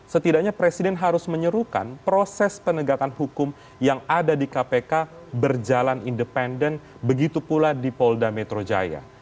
setidaknya presiden harus menyerukan proses penegakan hukum yang ada di kpk berjalan independen begitu pula di polda metro jaya